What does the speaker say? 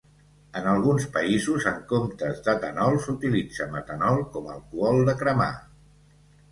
En alguns països, en comptes d'etanol s'utilitza metanol com alcohol de cremar.